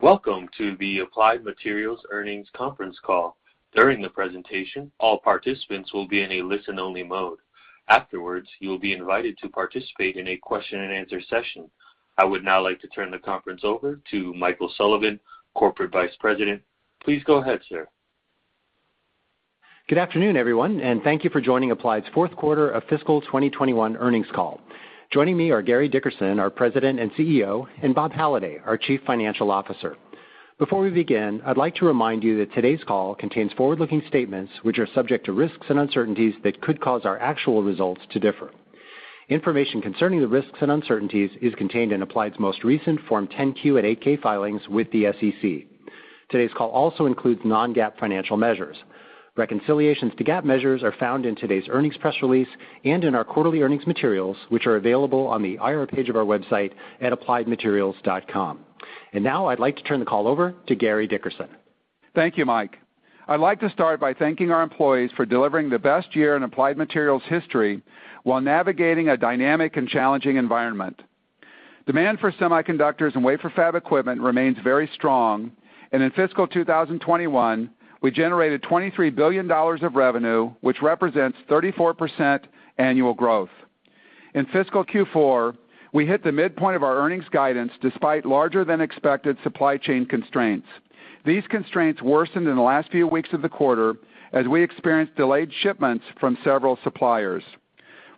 Welcome to the Applied Materials Earnings conference call. During the presentation, all participants will be in a listen-only mode. Afterwards, you will be invited to participate in a question-and-answer session. I would now like to turn the conference over to Michael Sullivan, Corporate Vice President. Please go ahead, sir. Good afternoon, everyone, and thank you for joining Applied's Q4 of fiscal 2021 earnings call. Joining me are Gary Dickerson, our President and CEO, and Bob Halliday, our Chief Financial Officer. Before we begin, I'd like to remind you that today's call contains forward-looking statements which are subject to risks and uncertainties that could cause our actual results to differ. Information concerning the risks and uncertainties is contained in Applied's most recent Form 10-Q and 8-K filings with the SEC. Today's call also includes non-GAAP financial measures. Reconciliations to GAAP measures are found in today's earnings press release and in our quarterly earnings materials, which are available on the IR page of our website at appliedmaterials.com. Now I'd like to turn the call over to Gary Dickerson. Thank you, Mike. I'd like to start by thanking our employees for delivering the best year in Applied Materials history while navigating a dynamic and challenging environment. Demand for semiconductors and wafer fab equipment remains very strong, and in fiscal 2021, we generated $23 billion of revenue, which represents 34% annual growth. In fiscal Q4, we hit the midpoint of our earnings guidance despite larger than expected supply chain constraints. These constraints worsened in the last few weeks of the quarter as we experienced delayed shipments from several suppliers.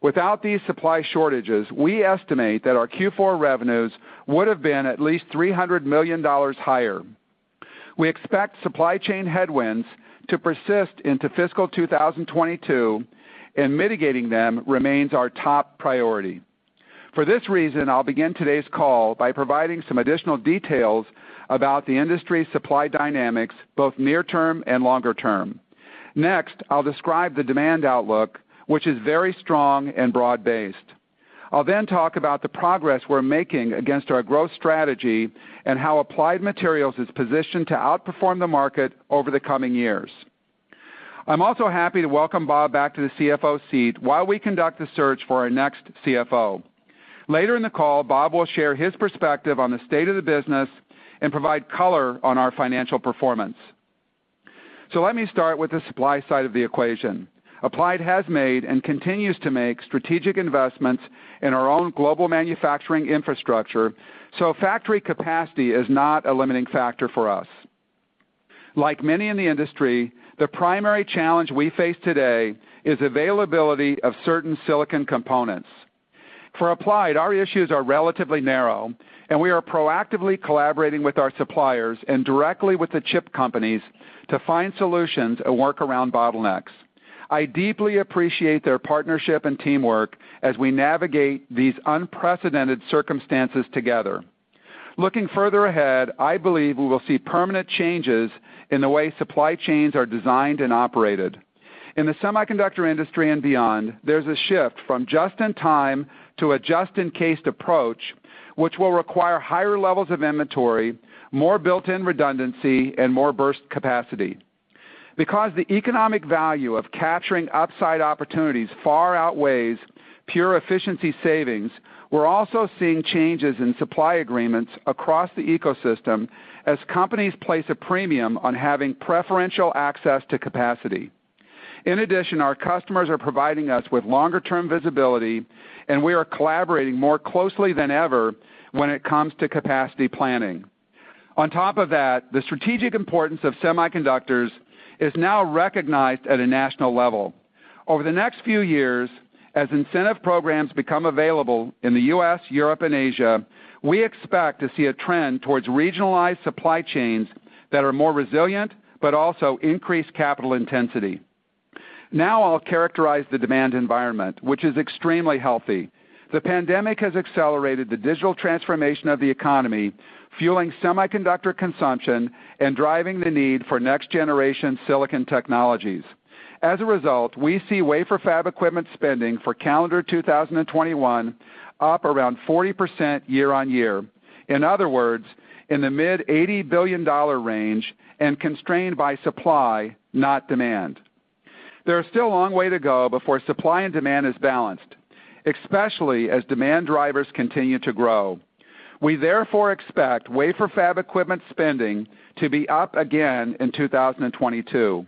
Without these supply shortages, we estimate that our Q4 revenues would have been at least $300 million higher. We expect supply chain headwinds to persist into fiscal 2022 and mitigating them remains our top priority. For this reason, I'll begin today's call by providing some additional details about the industry supply dynamics, both near term and longer term. Next, I'll describe the demand outlook, which is very strong and broad-based. I'll then talk about the progress we're making against our growth strategy and how Applied Materials is positioned to outperform the market over the coming years. I'm also happy to welcome Bob back to the CFO seat while we conduct the search for our next CFO. Later in the call, Bob will share his perspective on the state of the business and provide color on our financial performance. Let me start with the supply side of the equation. Applied Materials has made and continues to make strategic investments in our own global manufacturing infrastructure, so factory capacity is not a limiting factor for us. Like many in the industry, the primary challenge we face today is availability of certain silicon components. For Applied, our issues are relatively narrow, and we are proactively collaborating with our suppliers and directly with the chip companies to find solutions and work around bottlenecks. I deeply appreciate their partnership and teamwork as we navigate these unprecedented circumstances together. Looking further ahead, I believe we will see permanent changes in the way supply chains are designed and operated. In the semiconductor industry and beyond, there's a shift from just-in-time to a just-in-case approach, which will require higher levels of inventory, more built-in redundancy, and more burst capacity. Because the economic value of capturing upside opportunities far outweighs pure efficiency savings, we're also seeing changes in supply agreements across the ecosystem as companies place a premium on having preferential access to capacity. In addition, our customers are providing us with longer-term visibility, and we are collaborating more closely than ever when it comes to capacity planning. On top of that, the strategic importance of semiconductors is now recognized at a national level. Over the next few years, as incentive programs become available in the U.S., Europe, and Asia, we expect to see a trend towards regionalized supply chains that are more resilient but also increase capital intensity. Now I'll characterize the demand environment, which is extremely healthy. The pandemic has accelerated the digital transformation of the economy, fueling semiconductor consumption and driving the need for next-generation silicon technologies. As a result, we see wafer fab equipment spending for calendar 2021 up around 40% year-on-year. In other words, in the mid-$80 billion range and constrained by supply, not demand. There is still a long way to go before supply and demand is balanced, especially as demand drivers continue to grow. We therefore expect wafer fab equipment spending to be up again in 2022.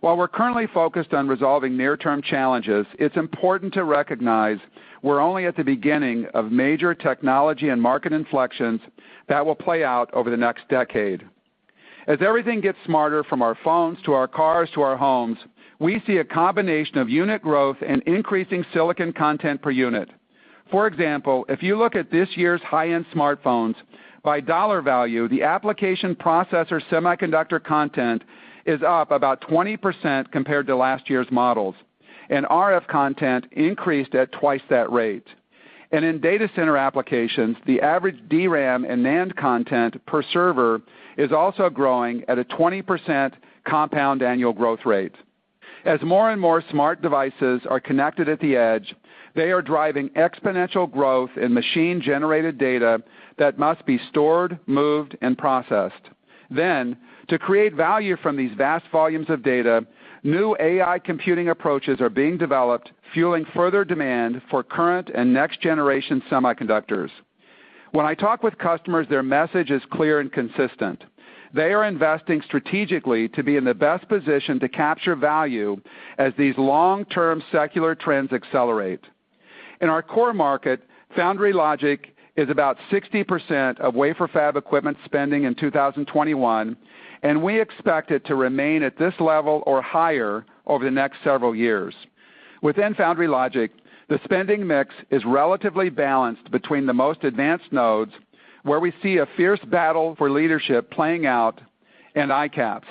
While we're currently focused on resolving near-term challenges, it's important to recognize we're only at the beginning of major technology and market inflections that will play out over the next decade. As everything gets smarter, from our phones to our cars to our homes, we see a combination of unit growth and increasing silicon content per unit. For example, if you look at this year's high-end smartphones, by dollar value, the application processor semiconductor content is up about 20% compared to last year's models, and RF content increased at twice that rate. In data center applications, the average DRAM and NAND content per server is also growing at a 20% compound annual growth rate. As more and more smart devices are connected at the edge, they are driving exponential growth in machine-generated data that must be stored, moved, and processed. To create value from these vast volumes of data, new AI computing approaches are being developed, fueling further demand for current and next-generation semiconductors. When I talk with customers, their message is clear and consistent. They are investing strategically to be in the best position to capture value as these long-term secular trends accelerate. In our core market, foundry logic is about 60% of wafer fab equipment spending in 2021, and we expect it to remain at this level or higher over the next several years. Within foundry logic, the spending mix is relatively balanced between the most advanced nodes, where we see a fierce battle for leadership playing out in ICAPS.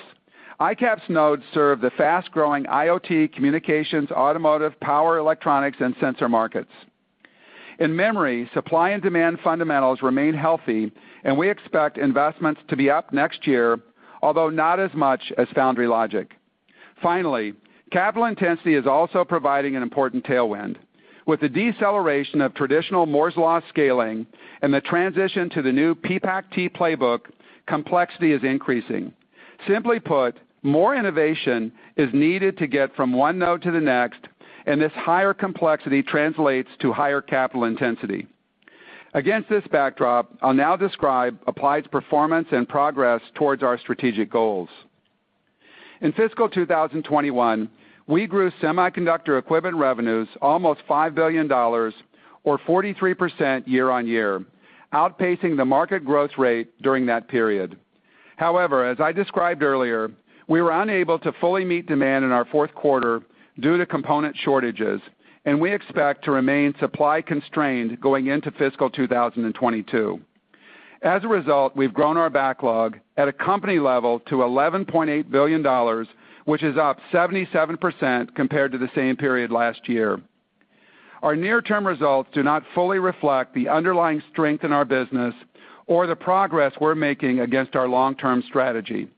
ICAPS nodes serve the fast-growing IoT communications, automotive, power electronics, and sensor markets. In memory, supply and demand fundamentals remain healthy, and we expect investments to be up next year, although not as much as foundry logic. Finally, capital intensity is also providing an important tailwind. With the deceleration of traditional Moore's law scaling and the transition to the new PPAC-T playbook, complexity is increasing. Simply put, more innovation is needed to get from one node to the next, and this higher complexity translates to higher capital intensity. Against this backdrop, I'll now describe Applied's performance and progress towards our strategic goals. In fiscal 2021, we grew semiconductor equipment revenues almost $5 billion or 43% year-on-year, outpacing the market growth rate during that period. However, as I described earlier, we were unable to fully meet demand in our Q4 due to component shortages, and we expect to remain supply constrained going into fiscal 2022. As a result, we've grown our backlog at a company level to $11.8 billion, which is up 77% compared to the same period last year. Our near-term results do not fully reflect the underlying strength in our business or the progress we're making against our long-term strategy.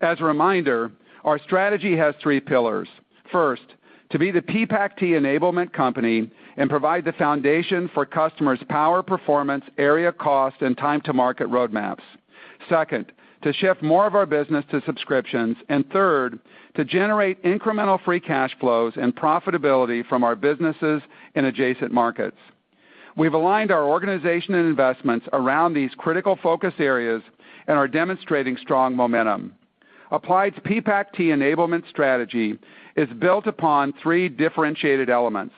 As a reminder, our strategy has three pillars. First, to be the PPAC-T enablement company and provide the foundation for customers' power, performance, area cost, and time to market roadmaps. Second, to shift more of our business to subscriptions. Third, to generate incremental free cash flows and profitability from our businesses in adjacent markets. We've aligned our organization and investments around these critical focus areas and are demonstrating strong momentum. Applied's PPAC-T enablement strategy is built upon three differentiated elements.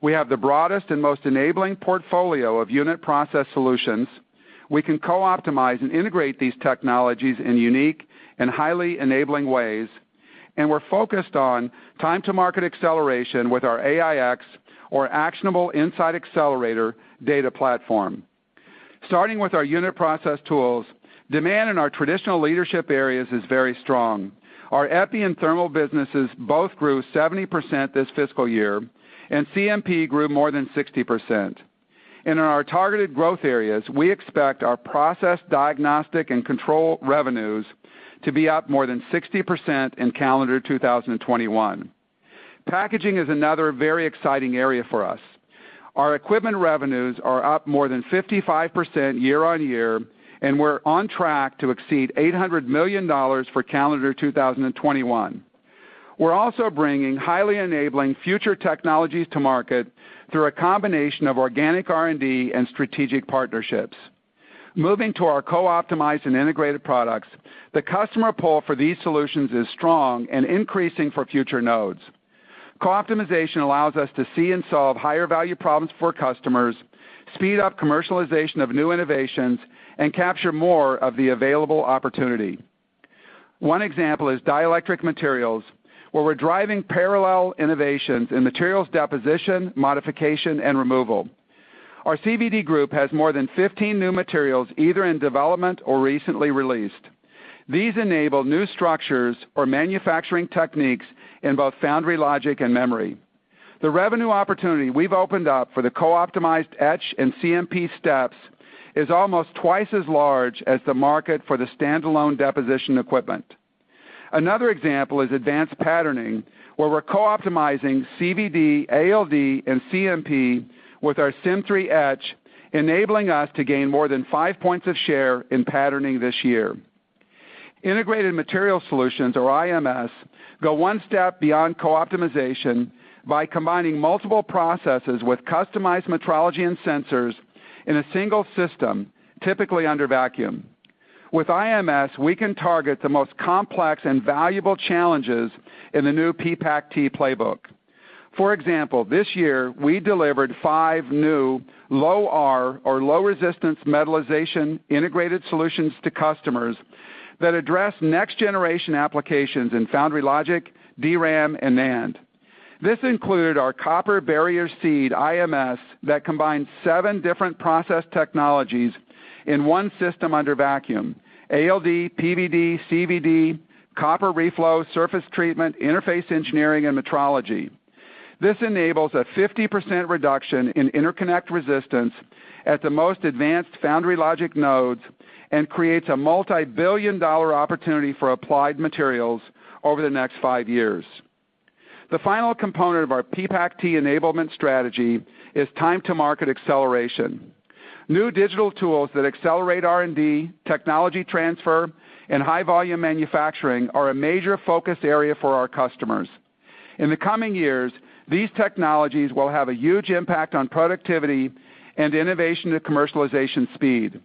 We have the broadest and most enabling portfolio of unit process solutions. We can co-optimize and integrate these technologies in unique and highly enabling ways, and we're focused on time-to-market acceleration with our AIx or Actionable Insight Accelerator data platform. Starting with our unit process tools, demand in our traditional leadership areas is very strong. Our EPI and thermal businesses both grew 70% this fiscal year, and CMP grew more than 60%. In our targeted growth areas, we expect our process diagnostic and control revenues to be up more than 60% in calendar 2021. Packaging is another very exciting area for us. Our equipment revenues are up more than 55% year-on-year, and we're on track to exceed $800 million for calendar 2021. We're also bringing highly enabling future technologies to market through a combination of organic R&D and strategic partnerships. Moving to our co-optimized and integrated products, the customer pull for these solutions is strong and increasing for future nodes. Co-optimization allows us to see and solve higher value problems for customers, speed up commercialization of new innovations, and capture more of the available opportunity. One example is dielectric materials, where we're driving parallel innovations in materials deposition, modification, and removal. Our CVD group has more than 15 new materials either in development or recently released. These enable new structures or manufacturing techniques in both foundry logic and memory. The revenue opportunity we've opened up for the co-optimized etch and CMP steps is almost twice as large as the market for the standalone deposition equipment. Another example is advanced patterning, where we're co-optimizing CVD, ALD, and CMP with our Sym3 etch, enabling us to gain more than 5 points of share in patterning this year. Integrated material solutions or IMS go 1 step beyond co-optimization by combining multiple processes with customized metrology and sensors in a single system, typically under vacuum. With IMS, we can target the most complex and valuable challenges in the new PPAC-T playbook. For example, this year we delivered 5 new low-R or low resistance metallization integrated solutions to customers that address next generation applications in foundry logic, DRAM, and NAND. This included our copper barrier seed IMS that combines 7 different process technologies in one system under vacuum, ALD, PVD, CVD, copper reflow, surface treatment, interface engineering, and metrology. This enables a 50% reduction in interconnect resistance at the most advanced foundry logic nodes and creates a multibillion-dollar opportunity for Applied Materials over the next 5 years. The final component of our PPAC-T enablement strategy is time-to-market acceleration. New digital tools that accelerate R&D, technology transfer, and high-volume manufacturing are a major focus area for our customers. In the coming years, these technologies will have a huge impact on productivity and innovation to commercialization speed.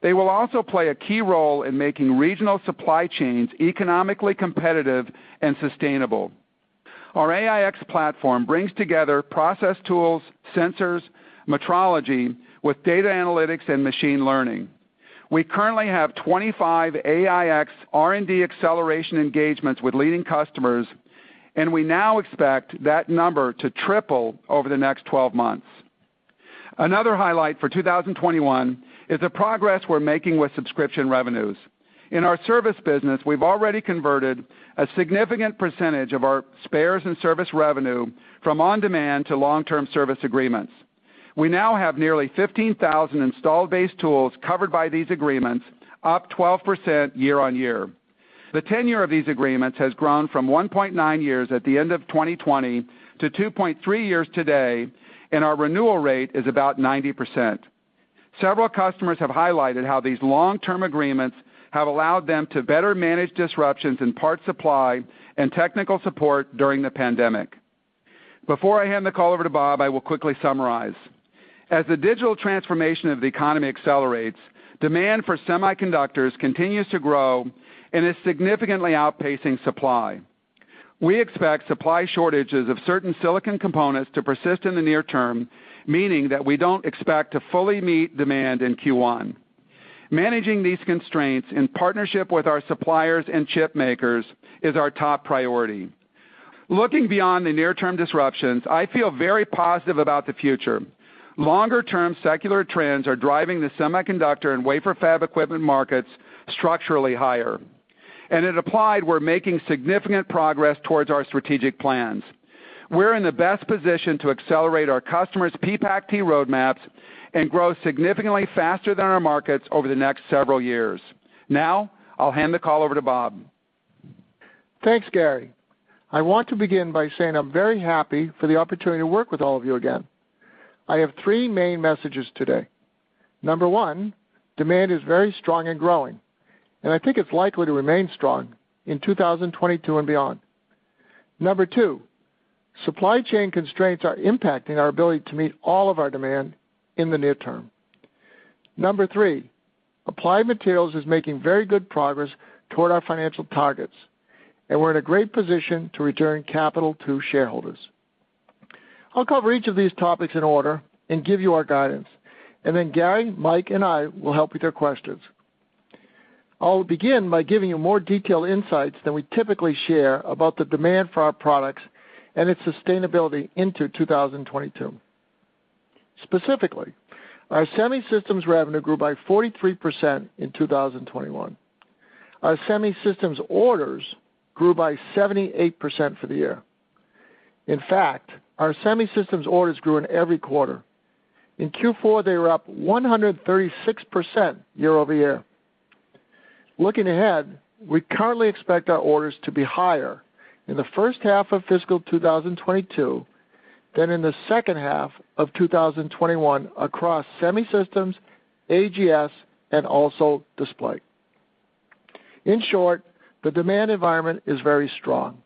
They will also play a key role in making regional supply chains economically competitive and sustainable. Our AIx platform brings together process tools, sensors, metrology with data analytics and machine learning. We currently have 25 AIx R&D acceleration engagements with leading customers, and we now expect that number to triple over the next 12 months. Another highlight for 2021 is the progress we're making with subscription revenues. In our service business, we've already converted a significant percentage of our spares and service revenue from on-demand to long-term service agreements. We now have nearly 15,000 installed base tools covered by these agreements, up 12% year-on-year. The tenure of these agreements has grown from 1.9 years at the end of 2020 to 2.3 years today, and our renewal rate is about 90%. Several customers have highlighted how these long-term agreements have allowed them to better manage disruptions in parts supply and technical support during the pandemic. Before I hand the call over to Bob, I will quickly summarize. As the digital transformation of the economy accelerates, demand for semiconductors continues to grow and is significantly outpacing supply. We expect supply shortages of certain silicon components to persist in the near term, meaning that we don't expect to fully meet demand in Q1. Managing these constraints in partnership with our suppliers and chip makers is our top priority. Looking beyond the near-term disruptions, I feel very positive about the future. Longer-term secular trends are driving the semiconductor and wafer fab equipment markets structurally higher. At Applied, we're making significant progress towards our strategic plans. We're in the best position to accelerate our customers' PPAC-T roadmaps and grow significantly faster than our markets over the next several years. Now, I'll hand the call over to Bob. Thanks, Gary. I want to begin by saying I'm very happy for the opportunity to work with all of you again. I have three main messages today. Number one, demand is very strong and growing, and I think it's likely to remain strong in 2022 and beyond. Number two, supply chain constraints are impacting our ability to meet all of our demand in the near term. Number three, Applied Materials is making very good progress toward our financial targets, and we're in a great position to return capital to shareholders. I'll cover each of these topics in order and give you our guidance, and then Gary, Mike, and I will help with your questions. I'll begin by giving you more detailed insights than we typically share about the demand for our products and its sustainability into 2022. Specifically, our Semiconductor Systems revenue grew by 43% in 2021. Our Semiconductor Systems orders grew by 78% for the year. In fact, our Semiconductor Systems orders grew in every quarter. In Q4, they were up 136% year-over-year. Looking ahead, we currently expect our orders to be higher in the H1 of fiscal 2022 than in the H2 of 2021 across Semiconductor Systems, AGS, and also Display. In short, the demand environment is very strong.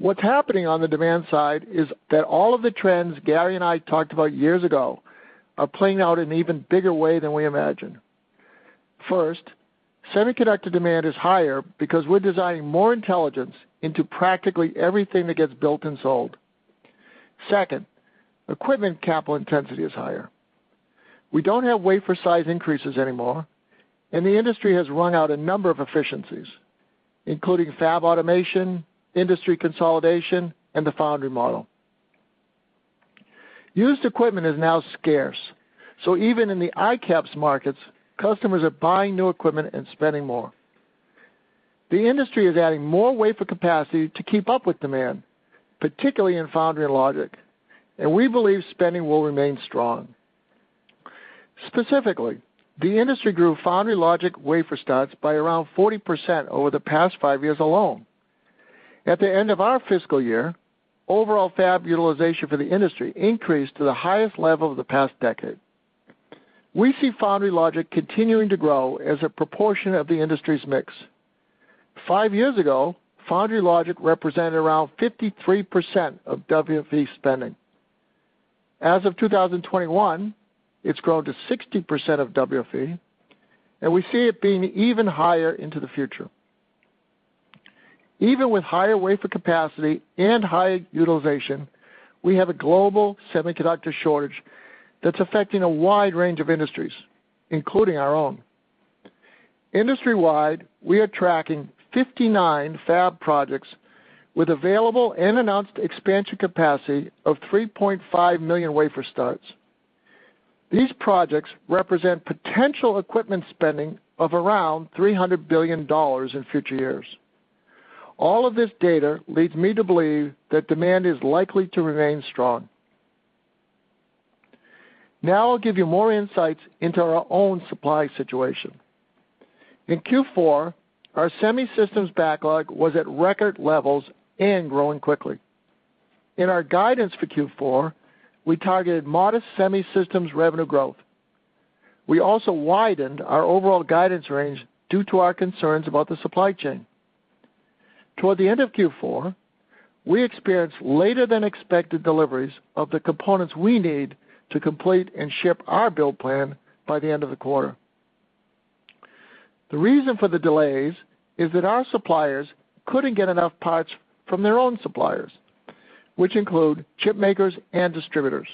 What's happening on the demand side is that all of the trends Gary and I talked about years ago are playing out in an even bigger way than we imagined. First, semiconductor demand is higher because we're designing more intelligence into practically everything that gets built and sold. Second, equipment capital intensity is higher. We don't have wafer size increases anymore, and the industry has rung out a number of efficiencies, including fab automation, industry consolidation, and the foundry model. Used equipment is now scarce, so even in the ICAPS markets, customers are buying new equipment and spending more. The industry is adding more wafer capacity to keep up with demand, particularly in foundry logic, and we believe spending will remain strong. Specifically, the industry grew foundry logic wafer starts by around 40% over the past 5 years alone. At the end of our fiscal year, overall fab utilization for the industry increased to the highest level of the past decade. We see foundry logic continuing to grow as a proportion of the industry's mix. 5 years ago, foundry logic represented around 53% of WFE spending. As of 2021, it's grown to 60% of WFE, and we see it being even higher into the future. Even with higher wafer capacity and high utilization, we have a global semiconductor shortage that's affecting a wide range of industries, including our own. Industry-wide, we are tracking 59 fab projects with available and announced expansion capacity of 3.5 million wafer starts. These projects represent potential equipment spending of around $300 billion in future years. All of this data leads me to believe that demand is likely to remain strong. Now I'll give you more insights into our own supply situation. In Q4, our Semiconductor Systems backlog was at record levels and growing quickly. In our guidance for Q4, we targeted modest Semiconductor Systems revenue growth. We also widened our overall guidance range due to our concerns about the supply chain. Toward the end of Q4, we experienced later than expected deliveries of the components we need to complete and ship our build plan by the end of the quarter. The reason for the delays is that our suppliers couldn't get enough parts from their own suppliers, which include chip makers and distributors.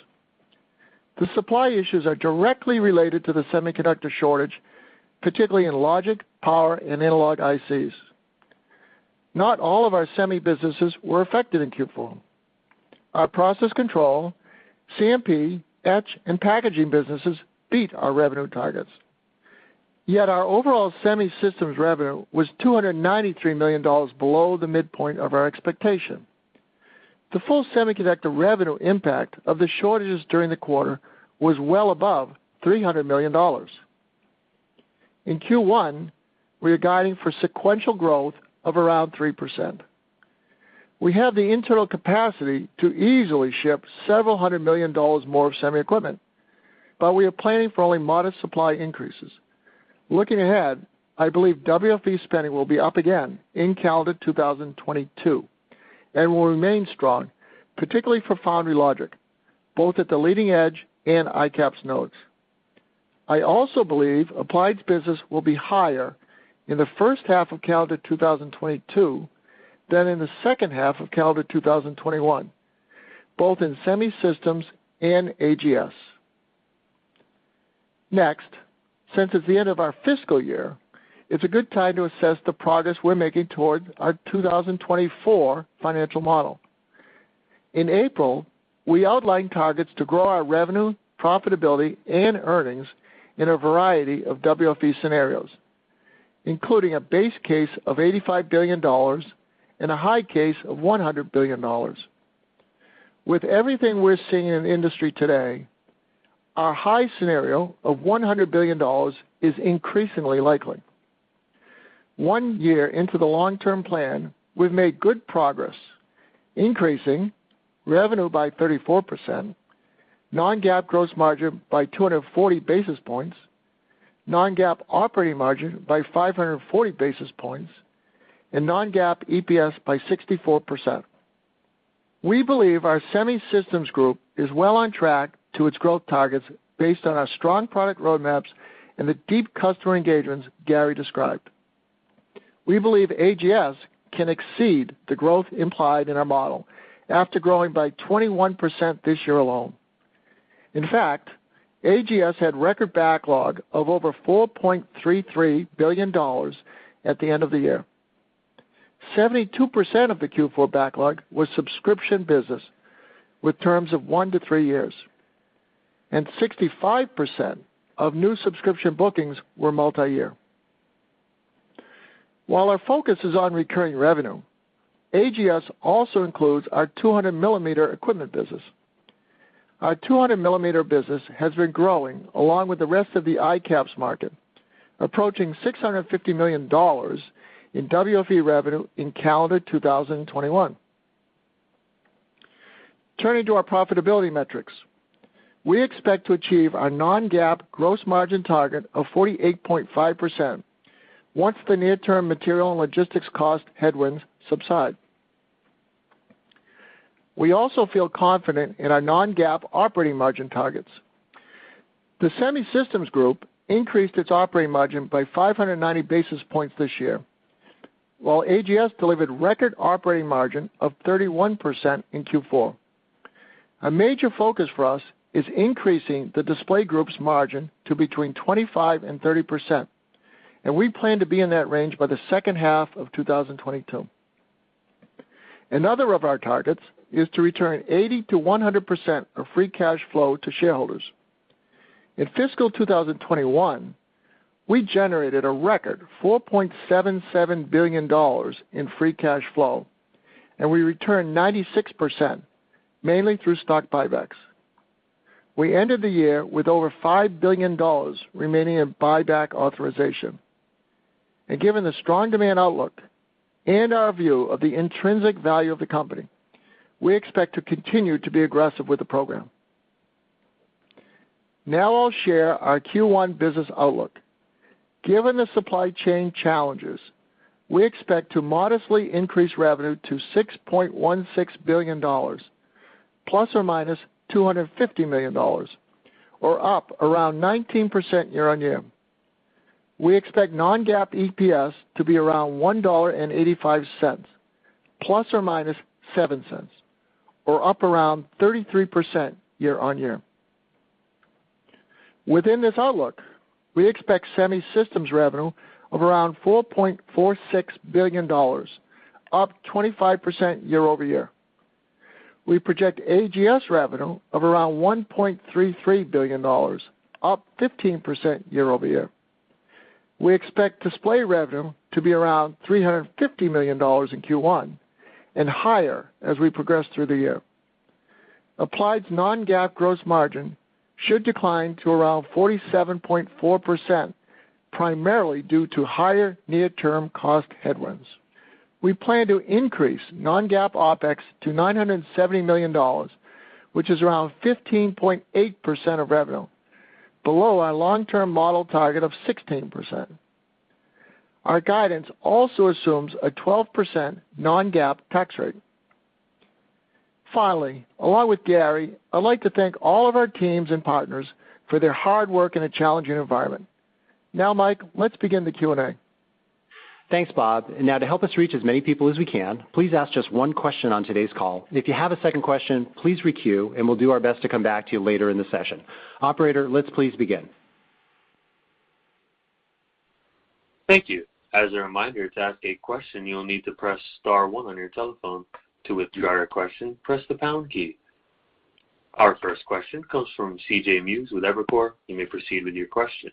The supply issues are directly related to the semiconductor shortage, particularly in logic, power, and analog ICs. Not all of our semi businesses were affected in Q4. Our process control, CMP, etch, and packaging businesses beat our revenue targets. Yet our overall Semiconductor Systems revenue was $293 million below the midpoint of our expectation. The full semiconductor revenue impact of the shortages during the quarter was well above $300 million. In Q1, we are guiding for sequential growth of around 3%. We have the internal capacity to easily ship $several hundred million more of semi equipment, but we are planning for only modest supply increases. Looking ahead, I believe WFE spending will be up again in calendar 2022 and will remain strong, particularly for foundry and logic, both at the leading edge and ICAPS nodes. I also believe Applied's business will be higher in the H1 of calendar 2022 than in the H2 of calendar 2021, both in Semiconductor Systems and AGS. Next, since it's the end of our fiscal year, it's a good time to assess the progress we're making toward our 2024 financial model. In April, we outlined targets to grow our revenue, profitability, and earnings in a variety of WFE scenarios, including a base case of $85 billion and a high case of $100 billion. With everything we're seeing in the industry today, our high scenario of $100 billion is increasingly likely. One year into the long-term plan, we've made good progress, increasing revenue by 34%, non-GAAP gross margin by 240 basis points, non-GAAP operating margin by 540 basis points, and non-GAAP EPS by 64%. We believe our Semiconductor Systems group is well on track to its growth targets based on our strong product roadmaps and the deep customer engagements Gary described. We believe AGS can exceed the growth implied in our model after growing by 21% this year alone. In fact, AGS had record backlog of over $4.33 billion at the end of the year. 72% of the Q4 backlog was subscription business with terms of 1 to 3 years, and 65% of new subscription bookings were multi-year. While our focus is on recurring revenue, AGS also includes our 200 millimeter equipment business. Our 200 millimeter business has been growing along with the rest of the ICAPS market, approaching $650 million in WFE revenue in calendar 2021. Turning to our profitability metrics, we expect to achieve our non-GAAP gross margin target of 48.5% once the near-term material and logistics cost headwinds subside. We also feel confident in our non-GAAP operating margin targets. The Semiconductor Systems group increased its operating margin by 590 basis points this year, while AGS delivered record operating margin of 31% in Q4. A major focus for us is increasing the display group's margin to between 25% and 30%, and we plan to be in that range by the H2 of 2022. Another of our targets is to return 80 to 100% of free cash flow to shareholders. In fiscal 2021, we generated a record $4.77 billion in free cash flow, and we returned 96%, mainly through stock buybacks. We ended the year with over $5 billion remaining in buyback authorization. Given the strong demand outlook and our view of the intrinsic value of the company, we expect to continue to be aggressive with the program. Now I'll share our Q1 business outlook. Given the supply chain challenges, we expect to modestly increase revenue to $6.16 billion ±$250 million or up around 19% year-on-year. We expect non-GAAP EPS to be around $1.85 ±$0.07, or up around 33% year-on-year. Within this outlook, we expect Semiconductor Systems revenue of around $4.46 billion, up 25% year-over-year. We project AGS revenue of around $1.33 billion, up 15% year-over-year. We expect display revenue to be around $350 million in Q1, and higher as we progress through the year. Applied's non-GAAP gross margin should decline to around 47.4%, primarily due to higher near-term cost headwinds. We plan to increase non-GAAP OpEx to $970 million, which is around 15.8% of revenue, below our long-term model target of 16%. Our guidance also assumes a 12% non-GAAP tax rate. Finally, along with Gary, I'd like to thank all of our teams and partners for their hard work in a challenging environment. Now, Mike, let's begin the Q&A. Thanks, Bob. Now, to help us reach as many people as we can, please ask just one question on today's call. If you have a second question, please re-queue, and we'll do our best to come back to you later in the session. Operator, let's please begin. Thank you. As a reminder, to ask a question, you'll need to press star one on your telephone. To withdraw your question, press the pound key. Our first question comes from C.J. Muse with Evercore. You may proceed with your question.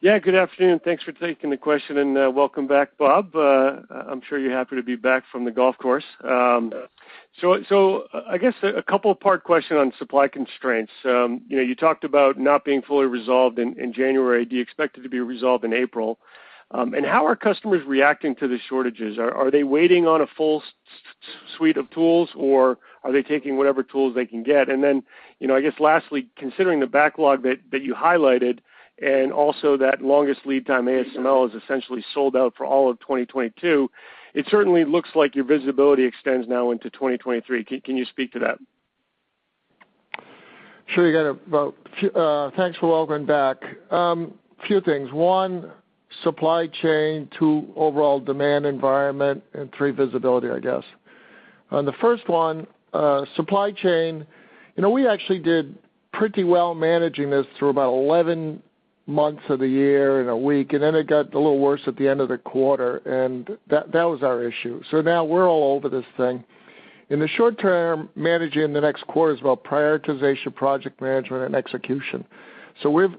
Yeah, good afternoon. Thanks for taking the question, and welcome back, Bob. I'm sure you're happy to be back from the golf course. So, I guess a couple part question on supply constraints. You know, you talked about not being fully resolved in January. Do you expect it to be resolved in April? And how are customers reacting to the shortages? Are they waiting on a full suite of tools, or are they taking whatever tools they can get? And then, you know, I guess lastly, considering the backlog that you highlighted and also that longest lead time ASML is essentially sold out for all of 2022, it certainly looks like your visibility extends now into 2023. Can you speak to that? Sure, you got it. Well, thanks for welcoming me back. A few things. One, supply chain. Two, overall demand environment. Three, visibility, I guess. On the first one, supply chain, you know, we actually did pretty well managing this through about 11 months of the year and a week, and then it got a little worse at the end of the quarter, and that was our issue. Now we're all over this thing. In the short term, managing the next quarter is about prioritization, project management, and execution. We've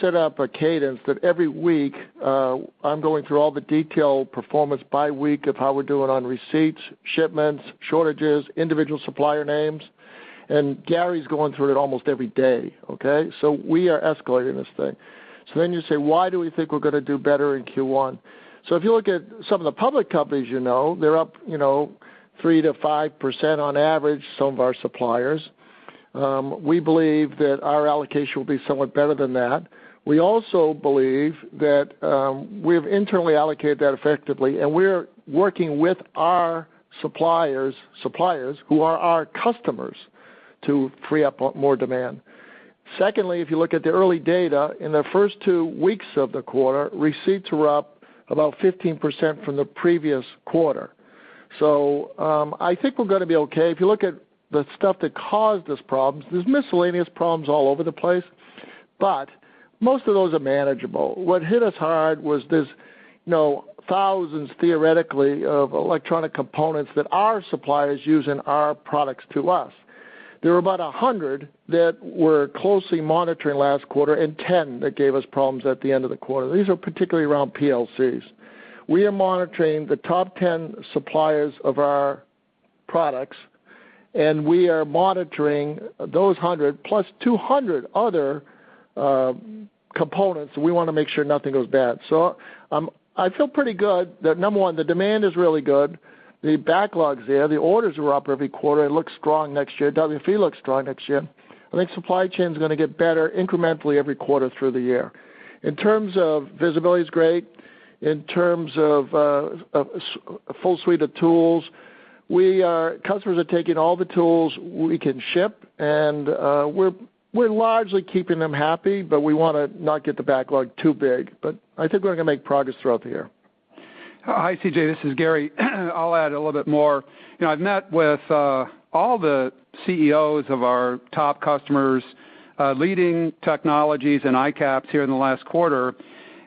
set up a cadence that every week, I'm going through all the detailed performance by week of how we're doing on receipts, shipments, shortages, individual supplier names, and Gary's going through it almost every day, okay. We are escalating this thing. you say, "Why do we think we're gonna do better in Q1?" If you look at some of the public companies you know, they're up, you know, 3 to 5% on average, some of our suppliers. We believe that our allocation will be somewhat better than that. We also believe that we've internally allocated that effectively, and we're working with our suppliers who are our customers, to free up more demand. Secondly, if you look at the early data, in the first two weeks of the quarter, receipts were up about 15% from the previous quarter. I think we're gonna be okay. If you look at the stuff that caused these problems, there's miscellaneous problems all over the place, but most of those are manageable. What hit us hard was this, you know, thousands, theoretically, of electronic components that our suppliers use in our products to us. There were about 100 that we're closely monitoring last quarter and 10 that gave us problems at the end of the quarter. These are particularly around PLCs. We are monitoring the top 10 suppliers of our products, and we are monitoring those 100 plus 200 other components, so we wanna make sure nothing goes bad. I feel pretty good that, number one, the demand is really good. The backlog's there. The orders are up every quarter. It looks strong next year. WFE looks strong next year. I think supply chain's gonna get better incrementally every quarter through the year. In terms of visibility, it's great. In terms of a full suite of tools, customers are taking all the tools we can ship, and we're largely keeping them happy, but we wanna not get the backlog too big. I think we're gonna make progress throughout the year. Hi, C.J., this is Gary. I'll add a little bit more. You know, I've met with all the CEOs of our top customers, leading technologies and ICAPS here in the last quarter.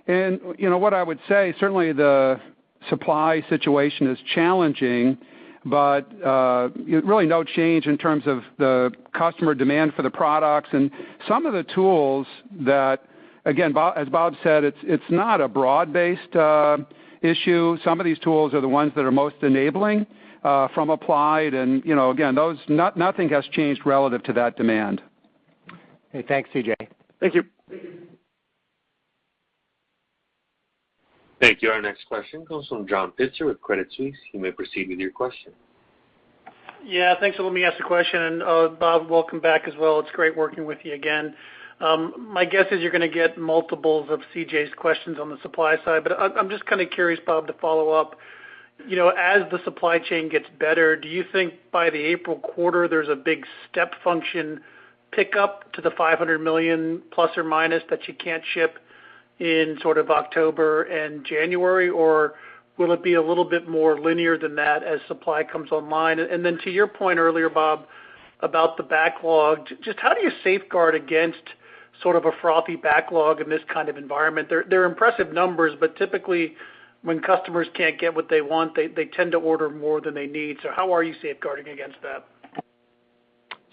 You know, what I would say, certainly the supply situation is challenging, but really no change in terms of the customer demand for the products. Some of the tools that, again, Bob, as Bob said, it's not a broad-based issue. Some of these tools are the ones that are most enabling from Applied. You know, again, nothing has changed relative to that demand. Okay. Thanks, CJ. Thank you. Thank you. Our next question comes from John Pitzer with Credit Suisse. You may proceed with your question. Yeah. Thanks for letting me ask the question. Bob, welcome back as well. It's great working with you again. My guess is you're gonna get multiples of CJ's questions on the supply side. But I'm just kind of curious, Bob, to follow up. You know, as the supply chain gets better, do you think by the April quarter, there's a big step function pickup to the $500 million plus or minus that you can't ship in sort of October and January, or will it be a little bit more linear than that as supply comes online? Then to your point earlier, Bob, about the backlog, just how do you safeguard against sort of a frothy backlog in this kind of environment? They're impressive numbers, but typically, when customers can't get what they want, they tend to order more than they need. How are you safeguarding against that?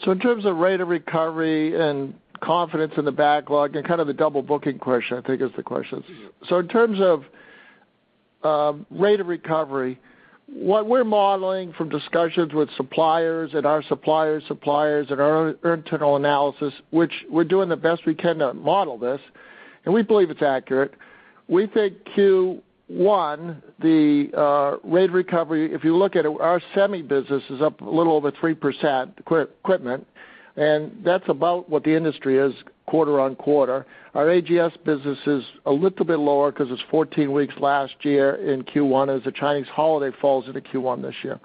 In terms of rate of recovery and confidence in the backlog and kind of the double-booking question, I think is the question. In terms of rate of recovery, what we're modeling from discussions with suppliers and our suppliers' suppliers and our own internal analysis, which we're doing the best we can to model this, and we believe it's accurate, we think Q1, the rate of recovery, if you look at it, our semi business is up a little over 3% equipment, and that's about what the industry is quarter-on-quarter. Our AGS business is a little bit lower because it's 14 weeks last year in Q1 as the Chinese holiday falls into Q1 this year.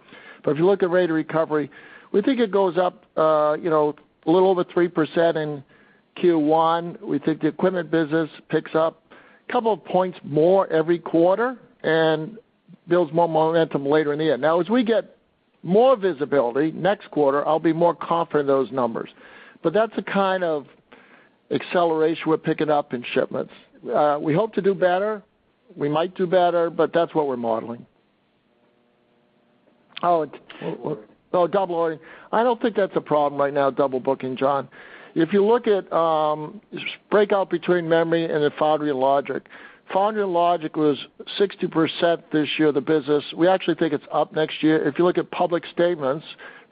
If you look at rate of recovery, we think it goes up a little over 3% in Q1. We think the equipment business picks up a couple of points more every quarter and builds more momentum later in the year. Now, as we get more visibility next quarter, I'll be more confident in those numbers. That's the kind of acceleration we're picking up in shipments. We hope to do better. We might do better, but that's what we're modeling. Double ordering. I don't think that's a problem right now, double booking, John. If you look at breakout between memory and the foundry and logic, foundry and logic was 60% this year of the business. We actually think it's up next year. If you look at public statements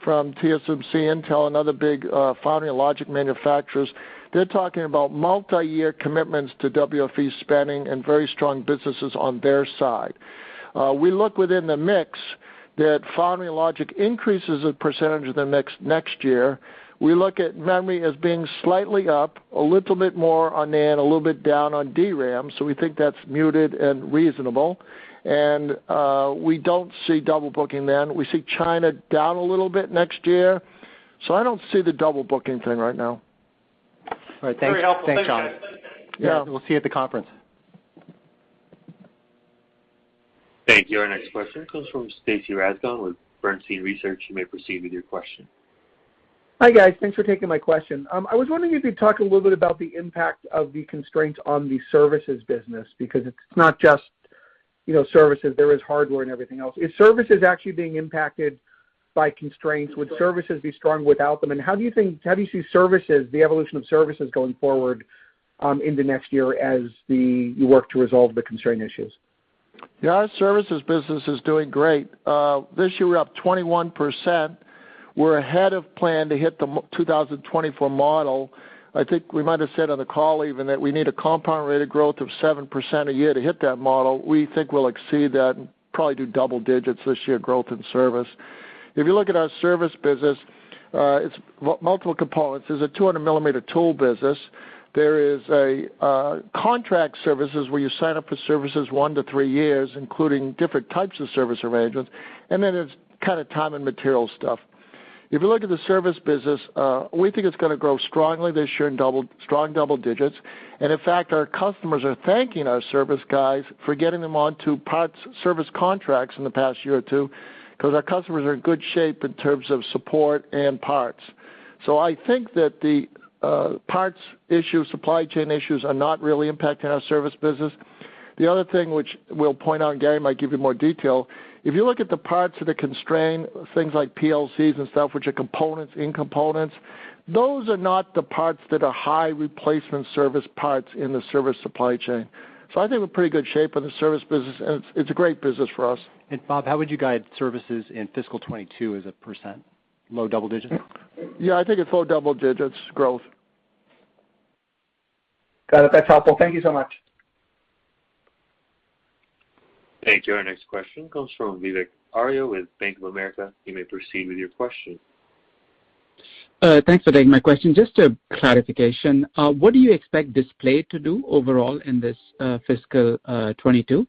from TSMC, Intel, and other big foundry and logic manufacturers, they're talking about multi-year commitments to WFE spending and very strong businesses on their side. We look within the mix that foundry and logic increases the percentage of the mix next year. We look at memory as being slightly up, a little bit more on NAND, a little bit down on DRAM, so we think that's muted and reasonable. We don't see double booking then. We see China down a little bit next year, so I don't see the double booking thing right now. All right. Thanks, John. Very helpful. Thanks, guys. Yeah. We'll see you at the conference. Thank you. Our next question comes from Stacy Rasgon with Bernstein Research. You may proceed with your question. Hi, guys. Thanks for taking my question. I was wondering if you could talk a little bit about the impact of the constraints on the services business, because it's not just, you know, services. There is hardware and everything else. Is services actually being impacted by constraints? Would services be strong without them? How do you see services, the evolution of services going forward, in the next year as you work to resolve the constraint issues? Yeah, our Services business is doing great. This year, we're up 21%. We're ahead of plan to hit the 2024 model. I think we might have said on the call even that we need a compound rate of growth of 7% a year to hit that model. We think we'll exceed that and probably do double digits this year growth in Services. If you look at our Services business, it's multiple components. There's a 200 millimeter tool business. There is a contract services where you sign up for services one to three years, including different types of service arrangements, and then there's kind of time and material stuff. If you look at the Services business, we think it's gonna grow strongly this year in strong double digits. In fact, our customers are thanking our service guys for getting them onto parts service contracts in the past year or two because our customers are in good shape in terms of support and parts. I think that the parts issue, supply chain issues are not really impacting our service business. The other thing which we'll point out, Gary might give you more detail, if you look at the parts of the constraint, things like PLCs and stuff, which are components in components, those are not the parts that are high replacement service parts in the service supply chain. I think we're in pretty good shape in the service business, and it's a great business for us. Bob, how would you guide services in fiscal 2022 as a percent? Low double digits? Yeah, I think it's low double-digit growth. Got it. That's helpful. Thank you so much. Thank you. Our next question comes from Vivek Arya with Bank of America. You may proceed with your question. Thanks for taking my question. Just a clarification, what do you expect display to do overall in this fiscal 2022?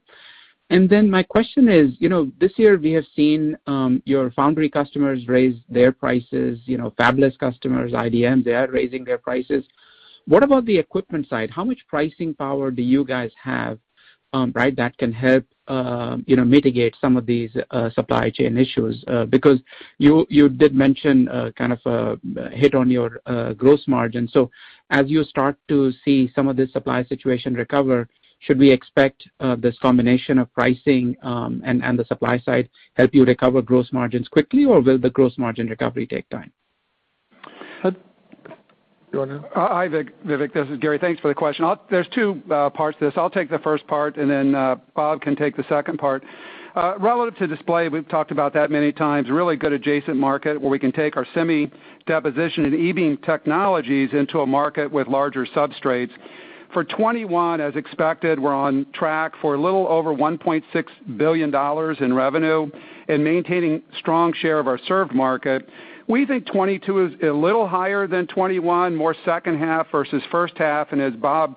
Then my question is, you know, this year we have seen your foundry customers raise their prices, you know, fabless customers, IDMs, they are raising their prices. What about the equipment side? How much pricing power do you guys have, right, that can help you know mitigate some of these supply chain issues? Because you did mention kind of a hit on your gross margin. As you start to see some of this supply situation recover, should we expect this combination of pricing and the supply side help you recover gross margins quickly, or will the gross margin recovery take time? You want to? Hi, Vivek. This is Gary. Thanks for the question. There's two parts to this. I'll take the first part, and then Bob can take the second part. Relative to display, we've talked about that many times, really good adjacent market where we can take our semi deposition and E-beam technologies into a market with larger substrates. For 2021, as expected, we're on track for a little over $1.6 billion in revenue and maintaining strong share of our served market. We think 2022 is a little higher than 2021, more H2 versus H1. As Bob